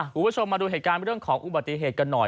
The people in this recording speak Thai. คุณผู้ชมมาดูเหตุการณ์เรื่องของอุบัติเหตุกันหน่อย